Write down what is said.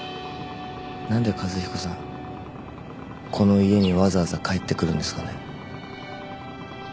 何で和彦さんこの家にわざわざ帰ってくるんですかね。